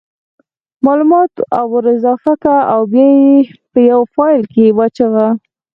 مالومات ور اضافه که او بیا یې په یو فایل کې واچوه